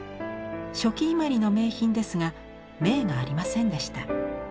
初期伊万里の名品ですが銘がありませんでした。